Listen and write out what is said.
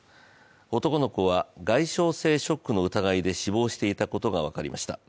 男の子は外傷性ショックの疑いで死亡していたことが分かりました。